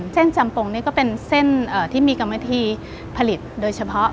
จำปงนี่ก็เป็นเส้นที่มีกรรมวิธีผลิตโดยเฉพาะ